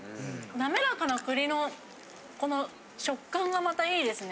滑らかな栗のこの食感がまたいいですね。